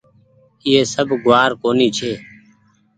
ايئي سب گوآر ڪونيٚ ڇي